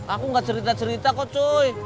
aku nggak cerita cerita kok coy